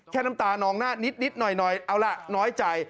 น้ำตานองหน้านิดหน่อยเอาล่ะน้อยใจ